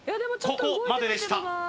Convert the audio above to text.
ここまででした